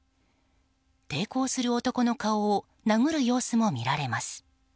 抵抗する男の顔を殴る様子も見られます。